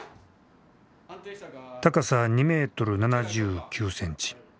高さ２メートル７９センチ。